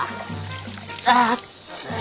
あっつい。